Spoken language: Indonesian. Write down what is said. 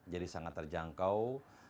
jadi sangat terjangkau